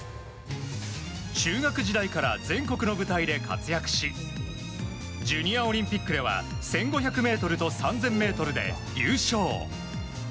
中学時代から全国の舞台で活躍しジュニアオリンピックでは１５００ｍと３０００ｍで優勝。